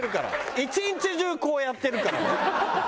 一日中こうやってるから。